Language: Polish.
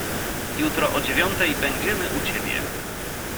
"Jutro o dziewiątej będziemy u ciebie."